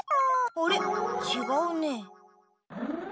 あれちがうね。